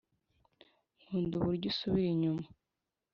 nkunda uburyo usubira inyuma.